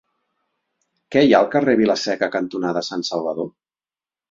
Què hi ha al carrer Vila-seca cantonada Sant Salvador?